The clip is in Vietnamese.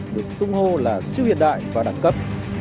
được tung hô là siêu hiện đại và đẳng cấp